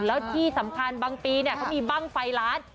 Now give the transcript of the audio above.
แล้วที่สำคัญบางปีเขามีบ้างไฟล้าน